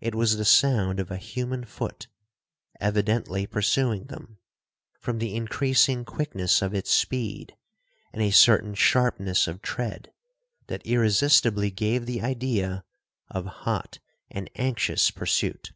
It was the sound of a human foot, evidently pursuing them, from the increasing quickness of its speed, and a certain sharpness of tread, that irresistibly gave the idea of hot and anxious pursuit.